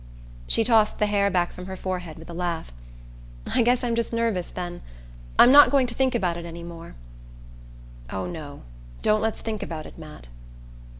She tossed the hair back from her forehead with a laugh. "I guess I'm just nervous, then. I'm not going to think about it any more." "Oh, no don't let's think about it, Matt!"